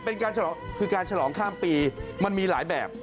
เป็นการฉลองคือการฉลองข้ามปีมันมีหลายแบบ